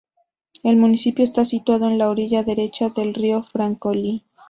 El municipio está situado en la orilla derecha del río Francolí.